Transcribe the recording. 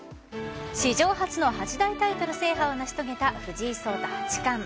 史上初の八大タイトル制覇を成し遂げた藤井聡太八冠。